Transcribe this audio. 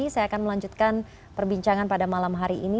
saya akan melanjutkan perbincangan pada malam hari ini